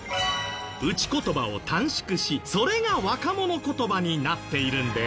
打ち言葉を短縮しそれが若者言葉になっているんです。